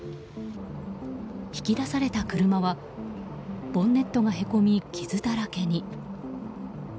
引き出された車はボンネットが凹み、傷だらけに。